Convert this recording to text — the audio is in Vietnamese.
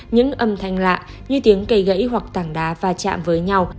những âm thanh lạ như tiếng cây gãy hoặc tảng đá va chạm với nhau